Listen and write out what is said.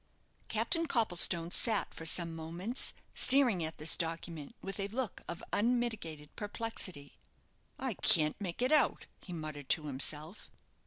Captain Copplestone sat for some moments staring at this document with a look of unmitigated perplexity. "I can't make it out," he muttered to himself.